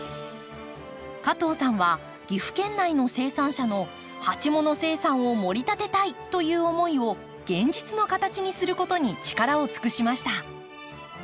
加藤さんは岐阜県内の生産者の鉢物生産を盛り立てたいという思いを現実の形にすることに力を尽くしました。